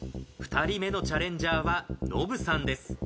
２人目のチャレンジャーはノブさんです。